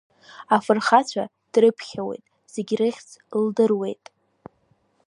Афырхацәа дрыԥхьауеит, зегьы рыхьыӡ лдыруеит.